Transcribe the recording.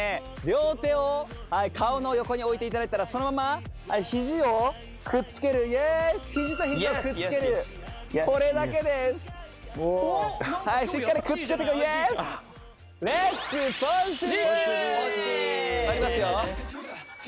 両手を顔の横に置いていただいたらそのままヒジをくっつけるイエースヒジとヒジをくっつけるこれだけですはいしっかりくっつけてこうイエースまいりますよ